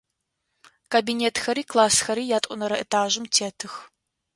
Кабинетхэри классхэри ятӏонэрэ этажым тетых.